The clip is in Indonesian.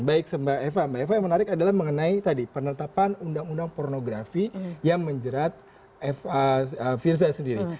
baik sempat eva eva yang menarik adalah mengenai penertapan undang undang pornografi yang menjerat firza sendiri